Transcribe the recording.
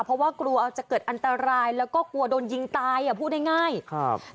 เพราะว่ากลัวจะเกิดอันตรายแล้วก็กลัวโดนยิงตายอ่ะพูดง่ายง่ายครับ